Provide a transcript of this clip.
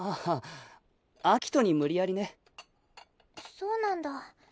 そうなんだ。